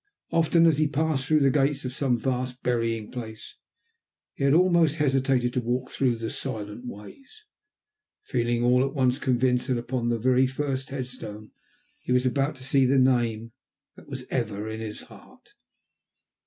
Often as he passed through the gates of some vast burying place, he had almost hesitated to walk through the silent ways, feeling all at once convinced that upon the very first headstone he was about to see the name that was ever in his heart.